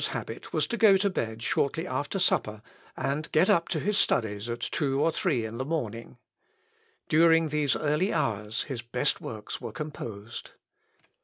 The distinguished scholar's habit was to go to bed shortly after supper, and get up to his studies at two or three in the morning. During these early hours his best works were composed.